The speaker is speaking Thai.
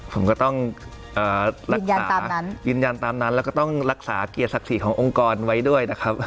ผมก็ต้องยืนยานตามนั้นแล้วก็ต้องรักษาเกียรติศักดิ์สิทธิ์ขององค์กรไว้ด้วยนะครับ